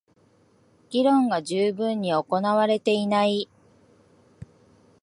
議論が充分に行われていない